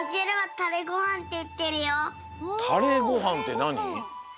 タレごはんってなに？